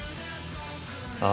ああ。